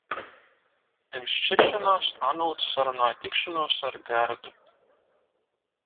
Pirms šķiršanās Anūts sarunāja tikšanos ar Gerdu.